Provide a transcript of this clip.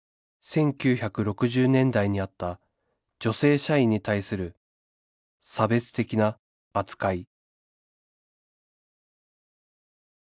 １９６０年代にあった女性社員に対する差別的な扱い